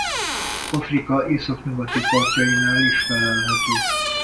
Afrika északnyugati partjainál is fellelhető.